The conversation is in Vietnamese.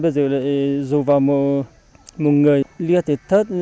bây giờ lại dùng vào một người lia thịt thất